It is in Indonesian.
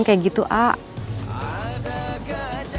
kayak gitu aa